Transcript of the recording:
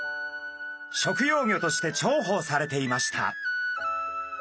食用魚として重宝されていました。